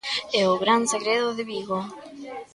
É o gran segredo de Vigo.